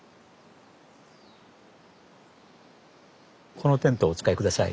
このテントお使い下さい。